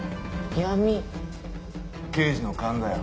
刑事の勘だよ。